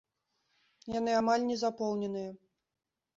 Яны амаль не запоўненыя.